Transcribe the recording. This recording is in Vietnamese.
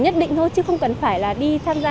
nhất định thôi chứ không cần phải là đi tham gia